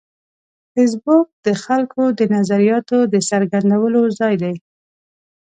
فېسبوک د خلکو د نظریاتو د څرګندولو ځای دی